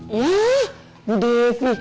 wah bu devi